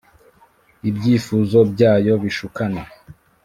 Ibyifuzo byayo bishukana